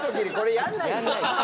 やんないですよ。